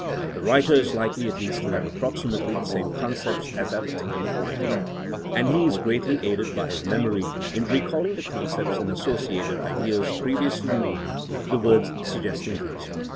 The writer is likely at least to have approximately the same concepts as at the time of writing. And he is greatly aided by his mem ory in recalling the concepts and associated ideas previously in mind, the words suggesting these.